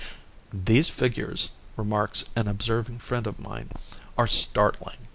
"These figures," remarks an observing friend of mine, "are startling!"